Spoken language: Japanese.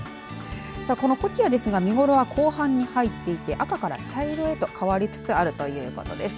このコキアですが見頃は後半に入っていて赤から茶色へと変わりつつあるということです。